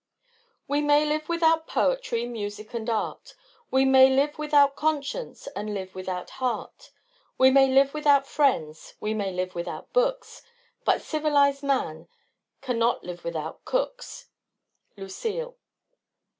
We may live without poetry, music and art; We may live without conscience, and live without heart; We may live without friends; we may live without books; But civilized man cannot live without cooks. _Lucile.